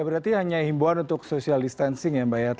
berarti hanya himbuan untuk social distancing ya mbak yat